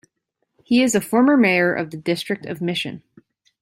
He is a former mayor of the District of Mission.